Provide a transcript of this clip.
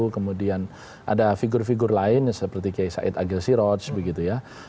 kemudian ada figur figur lain seperti kiai said agil siroj begitu ya